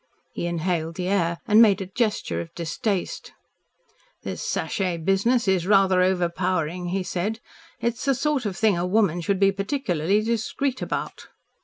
He inhaled the air and made a gesture of distaste. "This sachet business is rather overpowering," he said. "It is the sort of thing a woman should be particularly discreet about."